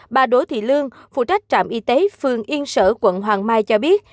bà đỗ thị lương phụ trách trạm y tế phường yên sở quận hoàng mai cho biết